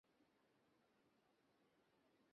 আরে, ফেজি ভাই!